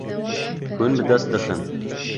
Hûn bi dest dixin.